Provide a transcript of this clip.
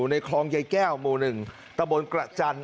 ในคลองใยแก้วหมู่๑ตะบนกระจันท